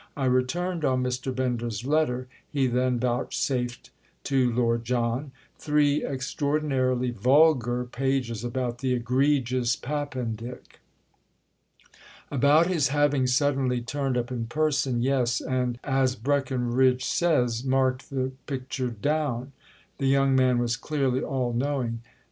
I returned on Mr. Bender's letter," he then vouchsafed to Lord John—"three extraordinarily vulgar pages about the egregious Pap pendick!" "About his having suddenly turned up in person, yes, and, as Breckenridge says, marked the picture down?"—the young man was clearly all knowing.